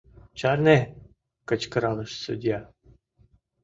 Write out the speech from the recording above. — Чарне! — кычкыралеш судья.